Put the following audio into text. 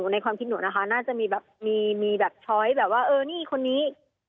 ในความคิดหนูนะคะน่าจะมีชลบิ้นแบบว่านี่คนนี้